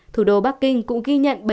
thủ đô bắc kinh cũng ghi nhận